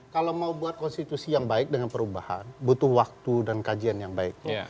kalau mau buat konstitusi yang baik dengan perubahan butuh waktu dan kajian yang baik